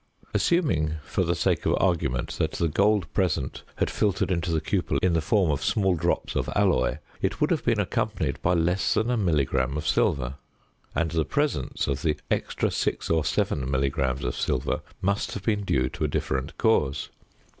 Assuming, for the sake of argument, that the gold present had filtered into the cupel in the form of small drops of alloy, it would have been accompanied by less than a milligram of silver, and the presence of the extra 6 or 7 milligrams of silver must have been due to a different cause.